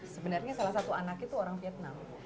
sebenarnya salah satu anaknya itu orang vietnam